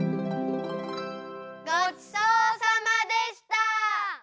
ごちそうさまでした！